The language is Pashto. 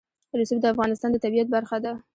رسوب د افغانستان د طبیعت برخه ده.